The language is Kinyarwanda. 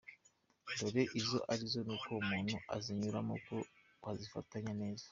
Dore izo arizo n’uko umuntu azinyuramo no kuzifatamo neza :